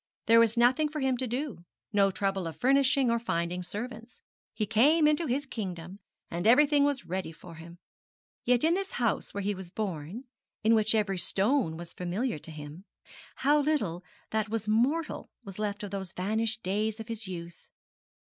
There was nothing for him to do, no trouble of furnishing, or finding servants. He came into his kingdom, and everything was ready for him. Yet in this house where he was born, in which every stone was familiar to him, how little that was mortal was left of those vanished days of his youth!